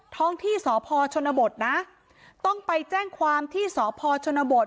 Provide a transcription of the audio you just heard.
ท้องที่สพชนบทนะต้องไปแจ้งความที่สพชนบท